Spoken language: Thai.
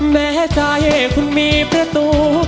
แม้ใจคุณมีประตู